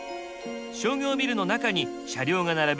商業ビルの中に車両が並ぶ激